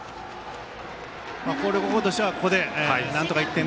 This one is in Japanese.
広陵高校としてはここで、なんとか１点